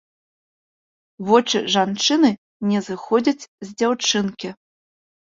Вочы жанчыны не сыходзяць з дзяўчынкі.